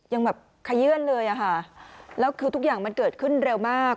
ยังแบบขยื่นเลยอะค่ะแล้วคือทุกอย่างมันเกิดขึ้นเร็วมาก